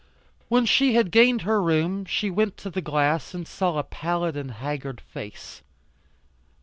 When she had gained her room she went to the glass and saw a pallid and haggard face.